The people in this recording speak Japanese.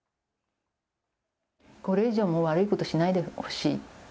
これ以上もう、悪いことしないでほしい。